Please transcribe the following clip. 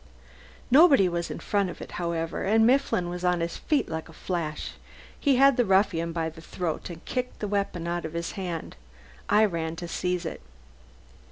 Nobody was in front of it, however, and Mifflin was on his feet like a flash. He had the ruffian by the throat and kicked the weapon out of his hand. I ran to seize it.